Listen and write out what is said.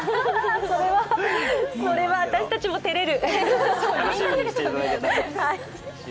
それは私たちも照れる。